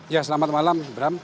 ya selamat malam bram